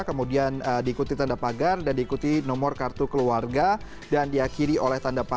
kemudian diikuti tanda pagar dan diikuti nomor kartu ktp